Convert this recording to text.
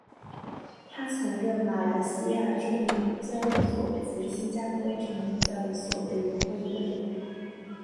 他曾任马来西亚证券交易所及新加坡证券交易所委员会会员。